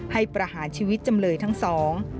ประหารชีวิตจำเลยทั้งสอง